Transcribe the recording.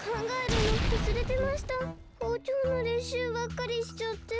ほうちょうのれんしゅうばっかりしちゃって。